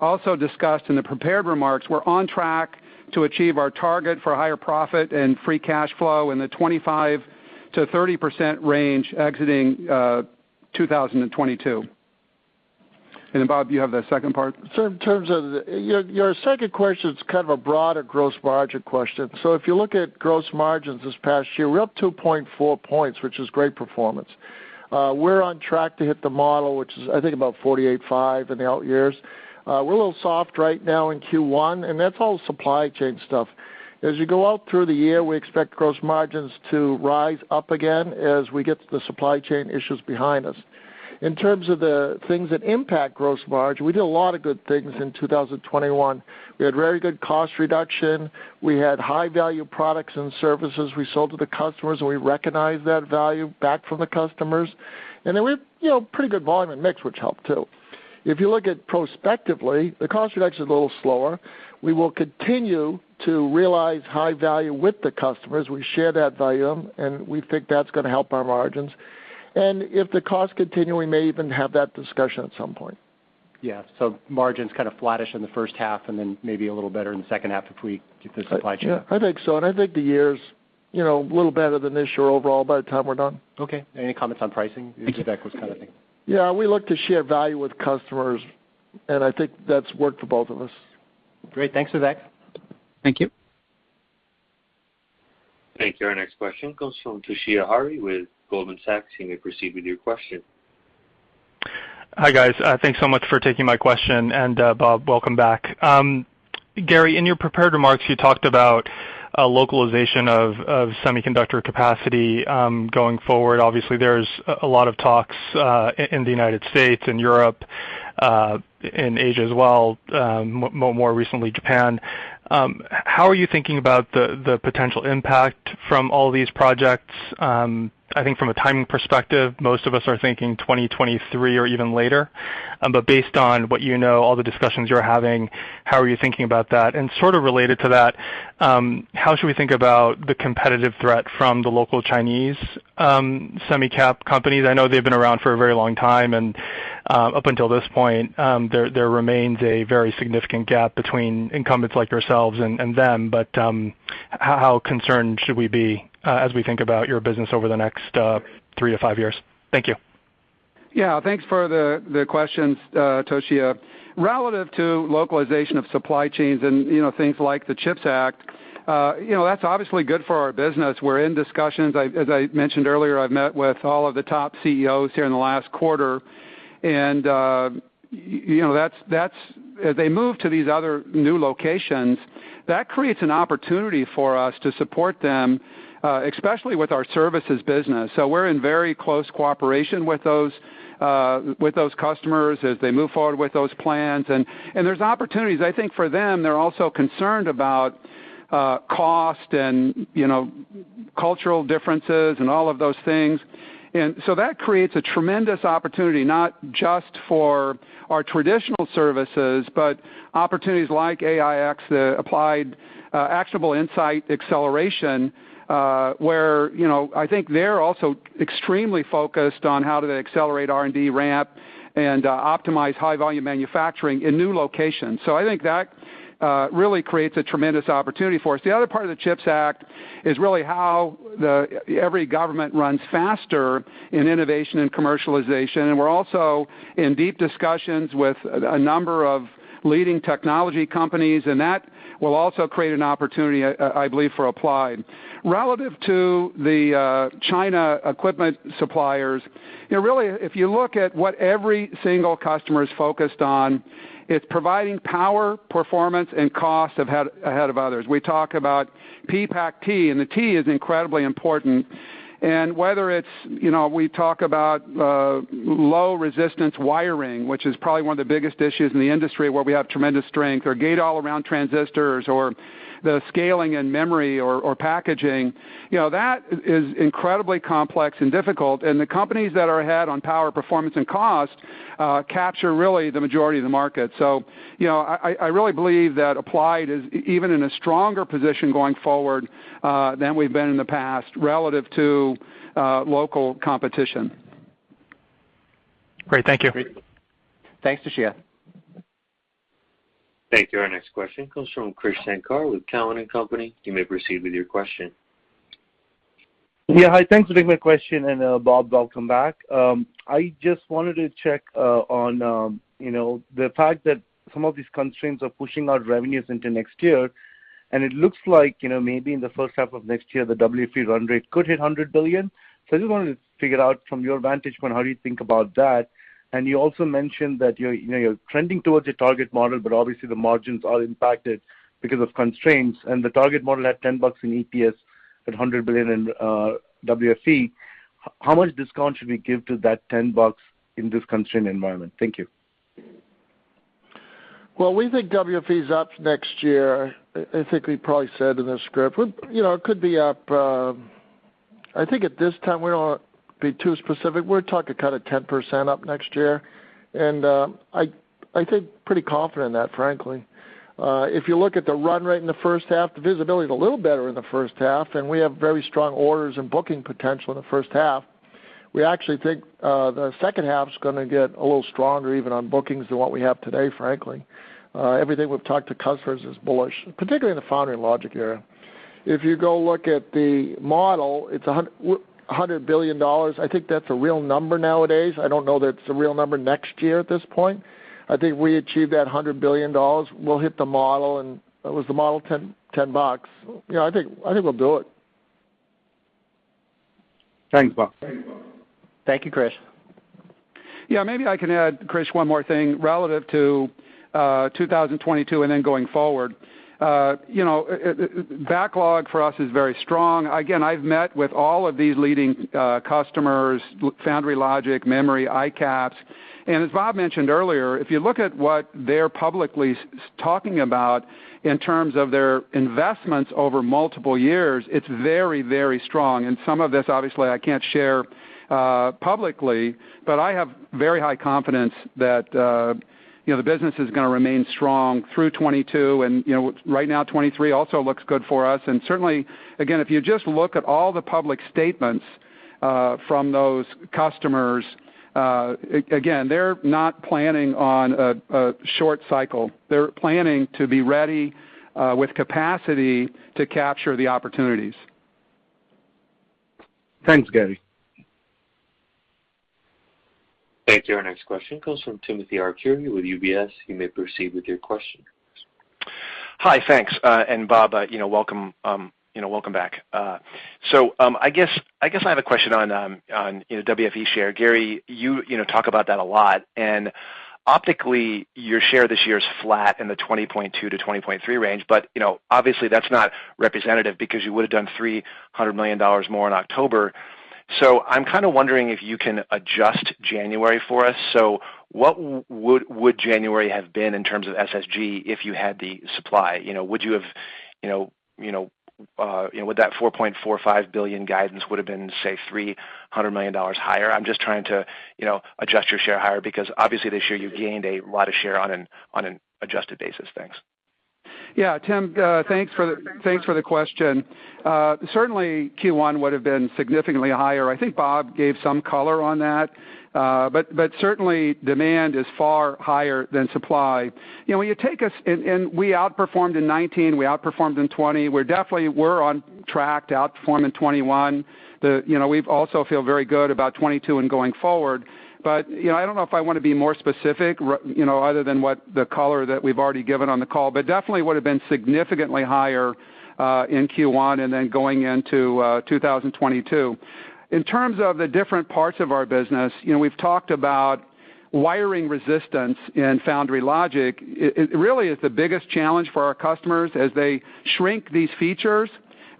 also discussed in the prepared remarks, we're on track to achieve our target for higher profit and free cash flow in the 25 to 30% range exiting 2022. Bob, do you have the second part? Your second question is kind of a broader gross margin question. If you look at gross margins this past year, we're up 2.4 points, which is great performance. We're on track to hit the model, which is I think about 48.5 in the out years. We're a little soft right now in Q1, and that's all supply chain stuff. As you go out through the year, we expect gross margins to rise up again as we get the supply chain issues behind us. In terms of the things that impact gross margin, we did a lot of good things in 2021. We had very good cost reduction. We had high value products and services we sold to the customers, and we recognized that value back from the customers. Then we had, you know, pretty good volume and mix, which helped too. If you look at prospectively, the cost reduction is a little slower. We will continue to realize high value with the customers. We share that value, and we think that's gonna help our margins. If the costs continue, we may even have that discussion at some point. Yeah. Margins kind of flattish in the H1 and then maybe a little better in the H2 if we get the supply chain. Yeah, I think so. I think the year's, you know, a little better than this year overall by the time we're done. Okay. Any comments on pricing? If that was kind of thing. Yeah, we look to share value with customers, and I think that's worked for both of us. Great. Thanks, Vivek. Thank you. Thank you. Our next question comes from Toshiya Hari with Goldman Sachs. You may proceed with your question. Hi, guys. Thanks so much for taking my question, and, Bob, welcome back. Gary, in your prepared remarks, you talked about a localization of semiconductor capacity going forward. Obviously, there's a lot of talks in the United States and Europe, in Asia as well, more recently Japan. How are you thinking about the potential impact from all these projects? I think from a timing perspective, most of us are thinking 2023 or even later. Based on what you know, all the discussions you're having, how are you thinking about that? Sort of related to that, how should we think about the competitive threat from the local Chinese semi cap companies? I know they've been around for a very long time, and up until this point, there remains a very significant gap between incumbents like yourselves and them. How concerned should we be as we think about your business over the next three to five years? Thank you. Yeah. Thanks for the questions, Toshiya. Relative to localization of supply chains and, you know, things like the CHIPS Act, you know, that's obviously good for our business. We're in discussions. As I mentioned earlier, I've met with all of the top CEOs here in the last quarter, and, you know, that's. As they move to these other new locations, that creates an opportunity for us to support them, especially with our services business. So, we're in very close cooperation with those customers as they move forward with those plans. There's opportunities. I think for them, they're also concerned about cost and, you know, cultural differences and all of those things. That creates a tremendous opportunity, not just for our traditional services, but opportunities like AIx, the Applied Actionable Insight Accelerator, where, you know, I think they're also extremely focused on how do they accelerate R&D ramp and optimize high volume manufacturing in new locations. I think that really creates a tremendous opportunity for us. The other part of the CHIPS Act is really how they ever run faster in innovation and commercialization. We're also in deep discussions with a number of leading technology companies, and that will also create an opportunity, I believe, for Applied. Relative to the China equipment suppliers, you know, really, if you look at what every single customer is focused on, it's providing power, performance, and cost ahead of others. We talk about PPAC-T, and the T is incredibly important. Whether it's, you know, we talk about low resistance wiring, which is probably one of the biggest issues in the industry where we have tremendous strength, or gate-all-around transistors or the scaling and memory or packaging, you know, that is incredibly complex and difficult, and the companies that are ahead on power, performance, and cost capture really the majority of the market. You know, I really believe that Applied is even in a stronger position going forward than we've been in the past relative to local competition. Great. Thank you. Thanks, Toshiya. Thank you. Our next question comes from Krish Sankar with Cowen and Company. You may proceed with your question. Yeah. Hi, thanks for taking my question. Bob, welcome back. I just wanted to check on, you know, the fact that some of these constraints are pushing out revenues into next year, and it looks like, you know, maybe in the H1 of next year, the WFE run rate could hit $100 billion. I just wanted to figure out from your vantage point, how do you think about that? You also mentioned that you're, you know, trending towards your target model, but obviously the margins are impacted because of constraints and the target model at $10 in EPS at $100 billion in WFE. How much discount should we give to that $10 in this constrained environment? Thank you. Well, we think WFE's up next year. I think we probably said in the script. You know, it could be up, I think at this time, we don't wanna be too specific. We're talking kind of 10% up next year, and I think pretty confident in that, frankly. If you look at the run rate in the H1, the visibility is a little better in the H1, and we have very strong orders and booking potential in the H1. We actually think the H2's gonna get a little stronger even on bookings than what we have today, frankly. Everything we've talked to customers is bullish, particularly in the foundry and logic area. If you go look at the model, it's $100 billion. I think that's a real number nowadays. I don't know that it's a real number next year at this point. I think we achieve that $100 billion, we'll hit the model and what was the model? $10. You know, I think we'll do it. Thanks, Bob. Thank you, Krish. Yeah, maybe I can add, Krish, one more thing relative to 2022 and then going forward. You know, backlog for us is very strong. Again, I've met with all of these leading customers, foundry logic, memory, ICAPS. As Bob mentioned earlier, if you look at what they're publicly talking about in terms of their investments over multiple years, it's very, very strong. Some of this, obviously, I can't share publicly, but I have very high confidence that, you know, the business is gonna remain strong through 2022. You know, right now, 2023 also looks good for us. Certainly, again, if you just look at all the public statements from those customers, again, they're not planning on a short cycle. They're planning to be ready with capacity to capture the opportunities. Thanks, Gary. Thank you. Our next question comes from Timothy Arcuri with UBS. You may proceed with your question. Hi, thanks. Bob, you know, welcome back. I guess I have a question on, you know, WFE share. Gary, you know talk about that a lot, and optically, your share this year is flat in the 20.2 to 20.3% range, but, you know, obviously that's not representative because you would've done $300 million more in October. I'm kind of wondering if you can adjust January for us. What would January have been in terms of SSG if you had the supply? You know, would you have, you know, would that $4.45 billion guidance would've been, say, $300 million higher? I'm just trying to, you know, adjust your share higher because obviously this year you've gained a lot of share on an adjusted basis. Thanks. Yeah, Tim, thanks for the question. Certainly, Q1 would've been significantly higher. I think Bob gave some color on that. But certainly, demand is far higher than supply. You know, when you take us and we outperformed in 2019, we outperformed in 2020. We're definitely on track to outperform in 2021. We've also feel very good about 2022 and going forward. You know, I don't know if I wanna be more specific, you know, other than what the color that we've already given on the call, but definitely would've been significantly higher in Q1 and then going into 2022. In terms of the different parts of our business, you know, we've talked about wiring resistance in foundry logic. It really is the biggest challenge for our customers. As they shrink these features,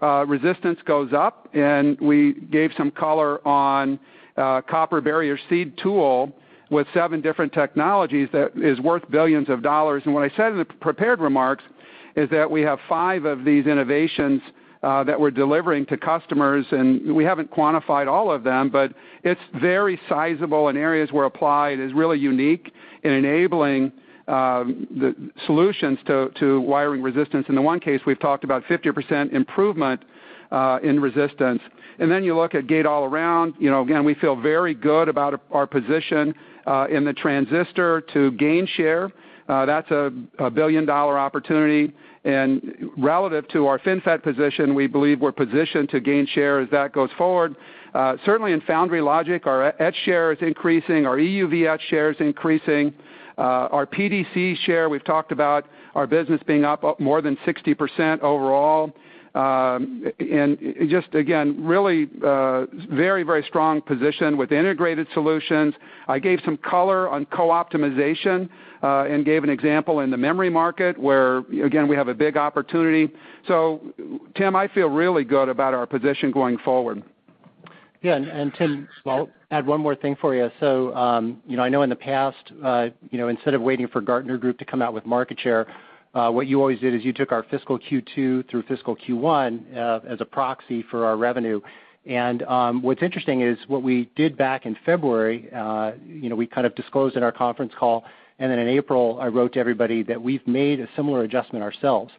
resistance goes up, and we gave some color on copper barrier seed tool with 7 different technologies that is worth billions of dollars. What I said in the prepared remarks is that we have 5 of these innovations that we're delivering to customers, and we haven't quantified all of them, but it's very sizable in areas where Applied is really unique in enabling the solutions to wiring resistance. In the one case, we've talked about 50% improvement in resistance. Then you look at gate-all-around, you know, again, we feel very good about our position in the transistor to gain share. That's a billion-dollar opportunity. Relative to our FinFET position, we believe we're positioned to gain share as that goes forward. Certainly, in foundry logic, our etch share is increasing, our EUV etch share is increasing. Our PDC share, we've talked about our business being up more than 60% overall. Just again, really very strong position with integrated solutions. I gave some color on co-optimization, and gave an example in the memory market where, again, we have a big opportunity. Tim, I feel really good about our position going forward. Yeah, Tim, I'll add one more thing for you. You know, I know in the past, you know, instead of waiting for Gartner to come out with market share, what you always did is you took our fiscal Q2 through fiscal Q1 as a proxy for our revenue. What's interesting is what we did back in February, you know, we kind of disclosed in our conference call, and then in April, I wrote to everybody that we've made a similar adjustment ourselves.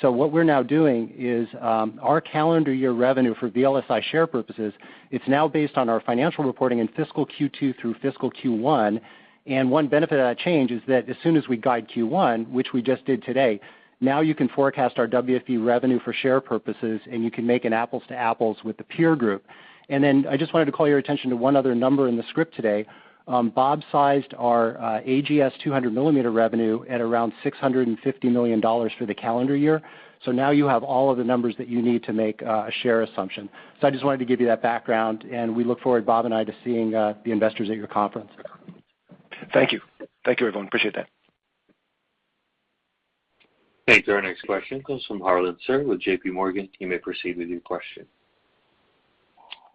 What we're now doing is, our calendar year revenue for VLSI share purposes, it's now based on our financial reporting in fiscal Q2 through fiscal Q1, and one benefit of that change is that as soon as we guide Q1, which we just did today, now you can forecast our WFE revenue for share purposes, and you can make an apples to apples with the peer group. I just wanted to call your attention to one other number in the script today. Bob sized our AGS 200 millimeter revenue at around $650 million for the calendar year. Now you have all of the numbers that you need to make a share assumption. I just wanted to give you that background, and we look forward, Bob and I, to seeing the investors at your conference. Thank you. Thank you, everyone. Appreciate that. Thank you. Our next question comes from Harlan Sur with J.P. Morgan. You may proceed with your question.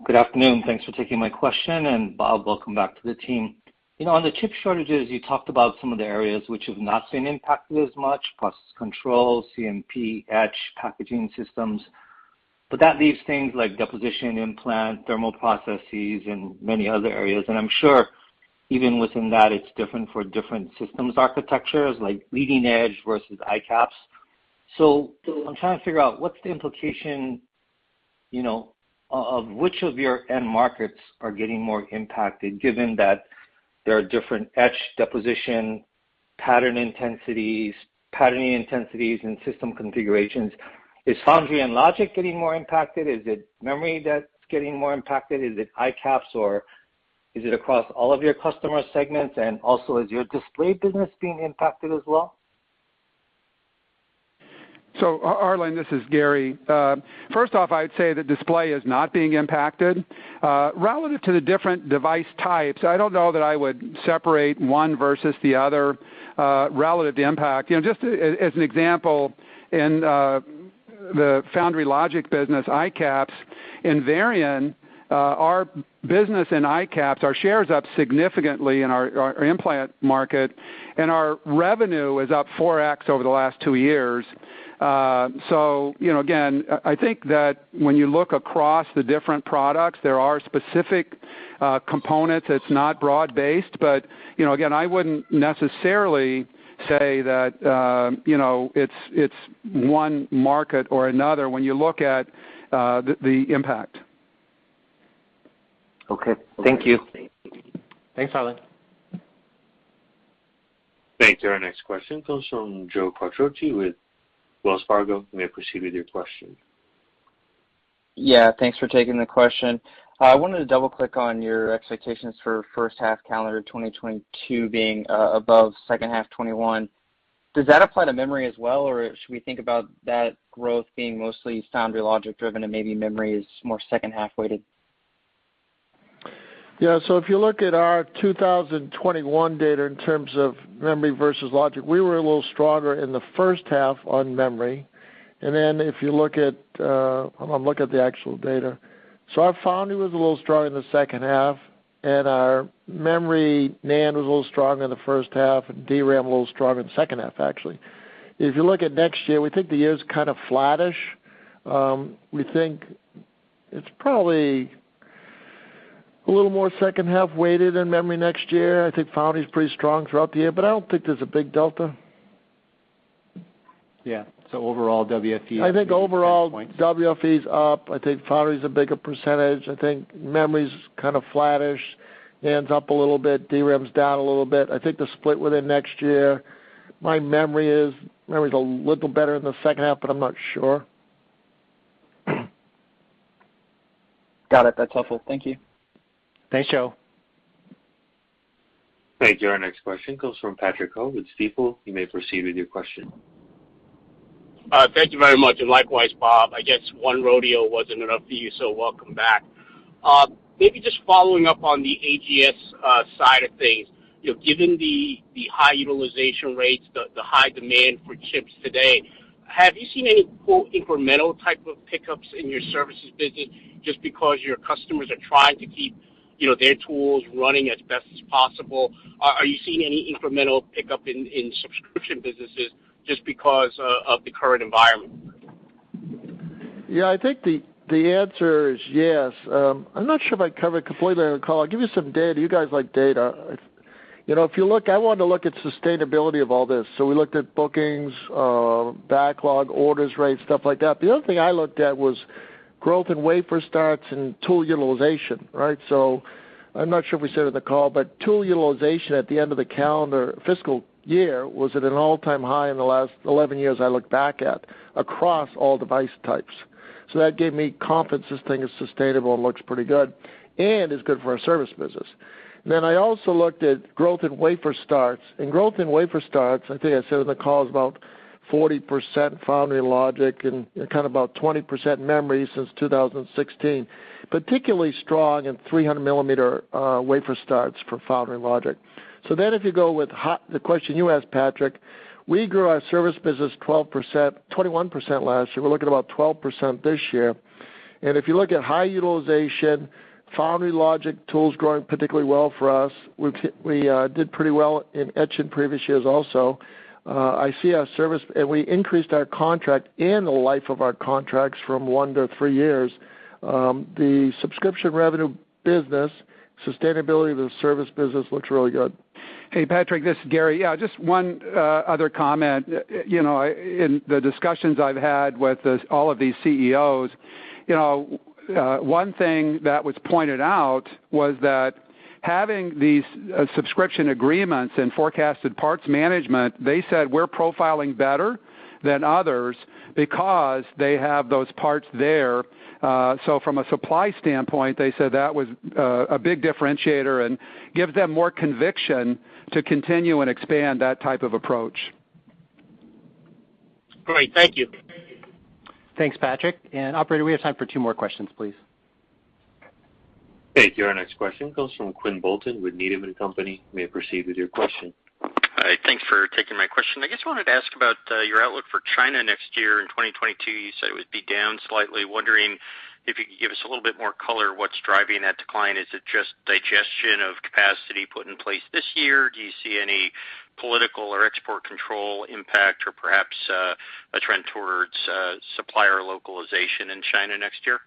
Good afternoon. Thanks for taking my question, and Bob, welcome back to the team. You know, on the chip shortages, you talked about some of the areas which have not been impacted as much, plus control, CMP, etch, packaging systems, but that leaves things like deposition, implant, thermal processes, and many other areas. I'm sure even within that it's different for different systems architectures like leading edge versus ICAPS. I'm trying to figure out what's the implication, you know, of which of your end markets are getting more impacted given that there are different etch, deposition, patterning intensities, and system configurations. Is foundry and logic getting more impacted? Is it memory that's getting more impacted? Is it ICAPS or is it across all of your customer segments? Also, is your display business being impacted as well? Harlan, this is Gary. First off, I would say the display is not being impacted. Relative to the different device types, I don't know that I would separate one versus the other, relative to impact. You know, just as an example, in the foundry logic business, ICAPS, in Varian, our business in ICAPS, our share is up significantly in our implant market, and our revenue is up 4x over the last two years. You know, again, I think that when you look across the different products, there are specific components that's not broad-based. You know, again, I wouldn't necessarily say that, you know, it's one market or another when you look at the impact. Okay. Thank you. Thanks, Harlan. Thank you. Our next question comes from Joe Quatrochi with Wells Fargo. You may proceed with your question. Yeah, thanks for taking the question. I wanted to double-click on your expectations for H1 calendar 2022 being above H2 2021. Does that apply to memory as well, or should we think about that growth being mostly foundry logic driven, and maybe memory is more H2-weighted? Yeah. If you look at our 2021 data in terms of memory versus logic, we were a little stronger in the H1 on memory. Then if you look at, I'm gonna look at the actual data. Our foundry was a little stronger in the H2, and our memory NAND was a little stronger in the H1, and DRAM a little stronger in the H2, actually. If you look at next year, we think the year's kind of flattish. We think it's probably a little more H2-weighted in memory next year. I think foundry's pretty strong throughout the year, but I don't think there's a big delta. Yeah. Overall WFE. I think overall WFE's up. I think foundry's a bigger percentage. I think memory's kind of flattish. NAND's up a little bit. DRAM's down a little bit. I think they're split within next year. My memory is memory's a little better in the H2, but I'm not sure. Got it. That's helpful. Thank you. Thanks, Joe. Thank you. Our next question comes from Patrick Ho with Stifel. You may proceed with your question. Thank you very much, and likewise, Bob. I guess one rodeo wasn't enough for you, so welcome back. Maybe just following up on the AGS side of things. You know, given the high utilization rates, the high demand for chips today, have you seen any quote, incremental type of pickups in your services business just because your customers are trying to keep, you know, their tools running as best as possible? Are you seeing any incremental pickup in subscription businesses just because of the current environment? Yeah. I think the answer is yes. I'm not sure if I covered it completely on the call. I'll give you some data. You guys like data. You know, if you look, I wanted to look at sustainability of all this, so we looked at bookings, backlog, orders rate, stuff like that. The other thing I looked at was growth in wafer starts and tool utilization, right? I'm not sure if we said it in the call, but tool utilization at the end of the calendar fiscal year was at an all-time high in the last 11 years I looked back at across all device types. That gave me confidence this thing is sustainable and looks pretty good and is good for our service business. I also looked at growth in wafer starts. Growth in wafer starts, I think I said in the call, is about 40% foundry logic and kind of about 20% memory since 2016. Particularly strong in 300 millimeter wafer starts for foundry logic. If you go with the question you asked, Patrick, we grew our service business 12%, 21% last year. We're looking at about 12% this year. If you look at high utilization, foundry logic tools growing particularly well for us. We did pretty well in etch in previous years also. We increased our contract and the life of our contracts from 1 to 3 years. The subscription revenue business, sustainability of the service business looks really good. Hey, Patrick, this is Gary. Yeah, just one other comment. You know, in the discussions I've had with all of these CEOs, you know, one thing that was pointed out was that having these subscription agreements and forecasted parts management, they said we're profiling better than others because they have those parts there. So, from a supply standpoint, they said that was a big differentiator and gives them more conviction to continue and expand that type of approach. Great. Thank you. Thanks, Patrick. Operator, we have time for two more questions, please. Thank you. Our next question comes from Quinn Bolton with Needham & Company. You may proceed with your question. Hi. Thanks for taking my question. I just wanted to ask about your outlook for China next year. In 2022, you said it would be down slightly. I'm wondering if you could give us a little bit more color on what's driving that decline. Is it just digestion of capacity put in place this year? Do you see any political or export control impact or perhaps a trend towards supplier localization in China next year?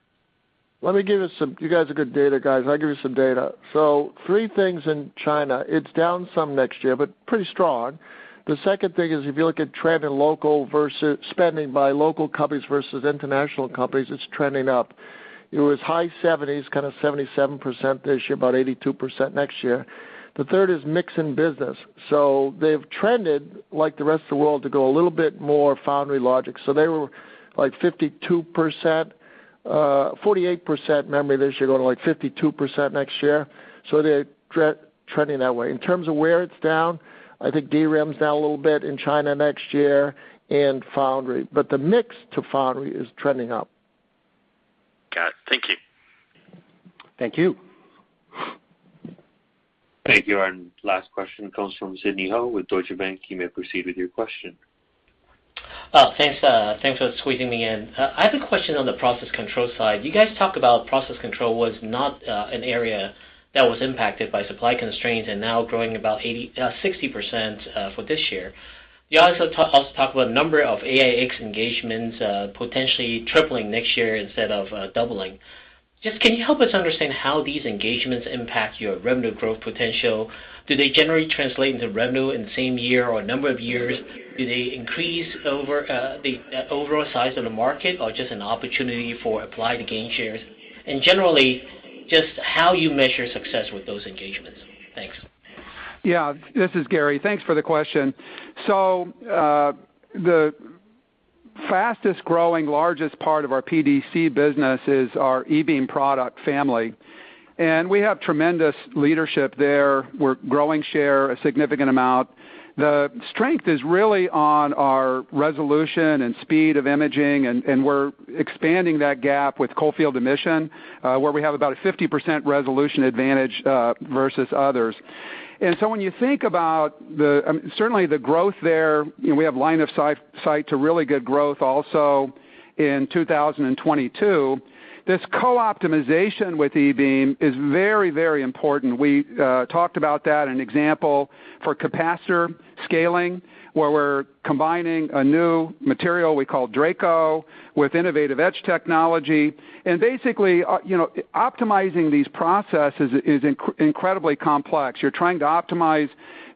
Let me give you some, you guys are good data guys. I'll give you some data. 3 things in China, it's down some next year, but pretty strong. The second thing is, if you look at trend in local versus spending by local companies versus international companies, it's trending up. It was high 70s, kind of 77% this year, about 82% next year. The third is mix in business. They've trended like the rest of the world to go a little bit more foundry logic. They were like 52%, 48% memory this year, going to like 52% next year. They're trending that way. In terms of where it's down, I think DRAM's down a little bit in China next year and foundry. The mix to foundry is trending up. Got it. Thank you. Thank you. Thank you. Last question comes from Sidney Ho with Deutsche Bank. You may proceed with your question. Thanks for squeezing me in. I have a question on the process control side. You guys talked about process control was not an area that was impacted by supply constraints and now growing about 60% for this year. You also talk about a number of AIx engagements potentially tripling next year instead of doubling. Just can you help us understand how these engagements impact your revenue growth potential? Do they generally translate into revenue in the same year or a number of years? Do they increase over the overall size of the market or just an opportunity for Applied to gain shares? Generally, just how you measure success with those engagements. Thanks. Yeah. This is Gary. Thanks for the question. The fastest growing, largest part of our PDC business is our E-beam product family, and we have tremendous leadership there. We're growing share a significant amount. The strength is really on our resolution and speed of imaging, and we're expanding that gap with Cold Field Emission, where we have about a 50% resolution advantage versus others. When you think about the growth there, certainly we have line of sight to really good growth also in 2022. This co-optimization with E-beam is very, very important. We talked about that, an example for capacitor scaling, where we're combining a new material, we call Draco with innovative edge technology. Basically, you know, optimizing these processes is incredibly complex. You're trying to optimize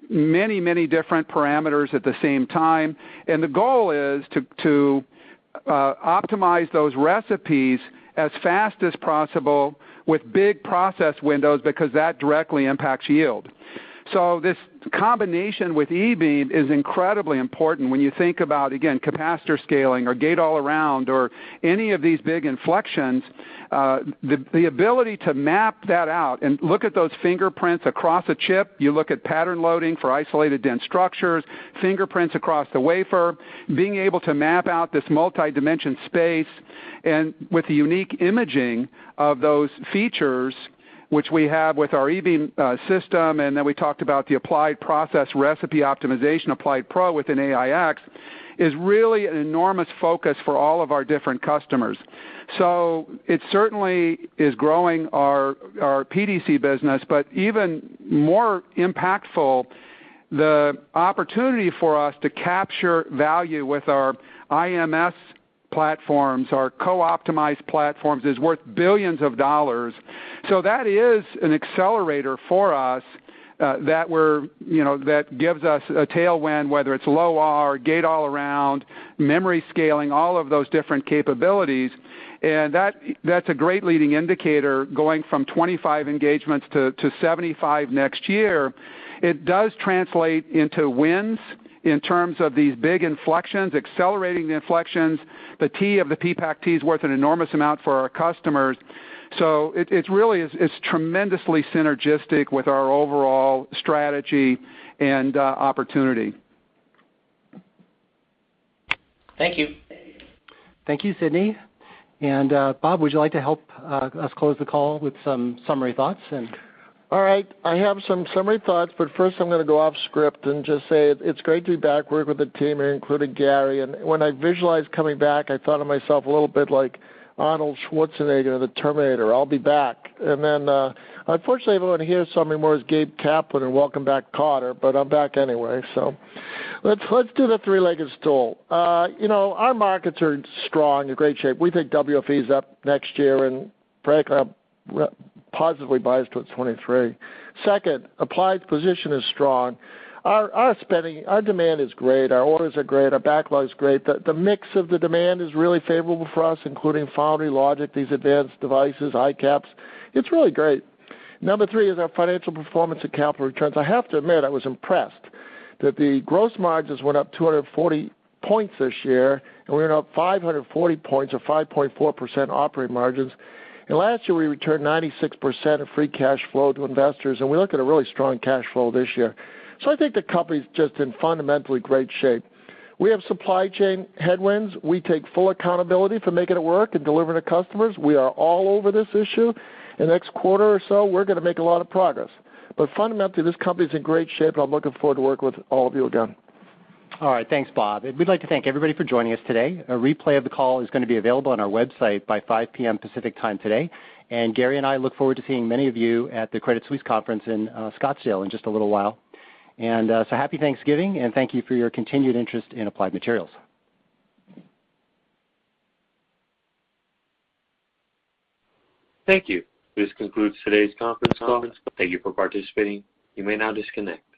many, many different parameters at the same time. The goal is to optimize those recipes as fast as possible with big process windows because that directly impacts yield. This combination with E-beam is incredibly important when you think about, again, capacitor scaling or gate-all-around or any of these big inflections. The ability to map that out and look at those fingerprints across a chip. You look at pattern loading for isolated dense structures, fingerprints across the wafer, being able to map out this multidimensional space, and with the unique imaging of those features which we have with our E-beam system. Then we talked about the Applied process recipe optimization, AppliedPRO within AIx, is really an enormous focus for all of our different customers. It certainly is growing our PDC business, but even more impactful, the opportunity for us to capture value with our IMS platforms, our co-optimized platforms, is worth billions of dollars. That is an accelerator for us, that we're, you know, that gives us a tailwind, whether it's low-R, gate-all-around, memory scaling, all of those different capabilities. That's a great leading indicator going from 25 engagements to 75 next year. It does translate into wins in terms of these big inflections, accelerating the inflections. The T of the PPAC-T is worth an enormous amount for our customers. It's really tremendously synergistic with our overall strategy and opportunity. Thank you. Thank you, Sidney. Bob, would you like to help us close the call with some summary thoughts and- All right. I have some summary thoughts, but first I'm going to go off script and just say it's great to be back working with the team here, including Gary. When I visualized coming back, I thought of myself a little bit like Arnold Schwarzenegger, the Terminator. I'll be back. Unfortunately, everyone hears something more as Gabe Kaplan in Welcome Back, Kotter, but I'm back anyway. Let's do the three-legged stool. You know, our markets are strong, in great shape. We think WFE is up next year, and frankly, I'm positively biased toward 2023. Second, Applied's position is strong. Our spending, our demand is great. Our orders are great. Our backlog is great. The mix of the demand is really favorable for us, including foundry logic, these advanced devices, ICAPS. It's really great. Number three is our financial performance and capital returns. I have to admit, I was impressed that the gross margins went up 240 points this year, and we went up 540 points or 5.4% operating margins. Last year, we returned 96% of free cash flow to investors, and we look at a really strong cash flow this year. I think the company is just in fundamentally great shape. We have supply chain headwinds. We take full accountability for making it work and delivering to customers. We are all over this issue. In the next quarter or so, we're going to make a lot of progress. Fundamentally, this company is in great shape, and I'm looking forward to working with all of you again. All right. Thanks, Bob. We'd like to thank everybody for joining us today. A replay of the call is going to be available on our website by 5:00 P.M. Pacific Time today. Gary and I look forward to seeing many of you at the Credit Suisse conference in Scottsdale in just a little while. Happy Thanksgiving and thank you for your continued interest in Applied Materials. Thank you. This concludes today's conference call. Thank you for participating. You may now disconnect.